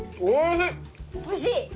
おいしい？